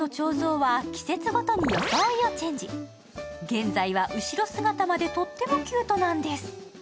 現在は後ろ姿までとってもキュートなんです。